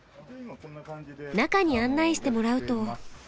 中に案内してもらうと。